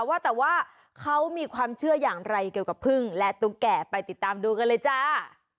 ว่าแต่ว่าเขามีความเชื่ออย่างไรเกี่ยวกับพึ่งและตุ๊กแก่ไปติดตามดูกันเลยจ้า